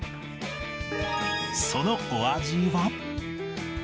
そのお味は？